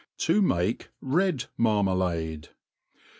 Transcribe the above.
013 To make Red Marmaladi.